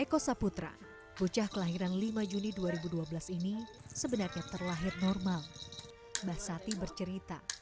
eko saputra bocah kelahiran lima juni dua ribu dua belas ini sebenarnya terlahir normal mbah sati bercerita